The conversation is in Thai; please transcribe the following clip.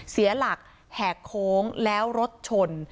เสียหลักแหกโค้งแล้วรถชน